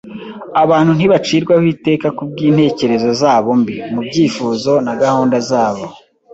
abantu ntibacirwaho iteka ku bw’intekerezo zabo mbi, mu byifuzo na gahunda zabo.